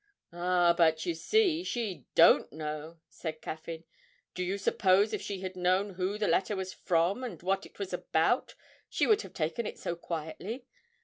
'Ah, but you see she don't know,' said Caffyn. 'Do you suppose if she had known who the letter was from and what it was about she would have taken it so quietly?